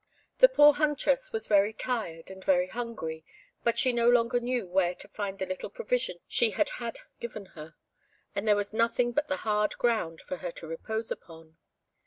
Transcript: The poor huntress was very tired and very hungry, but she no longer knew where to find the little provision she had had given her, and there was nothing but the hard ground for her to repose upon.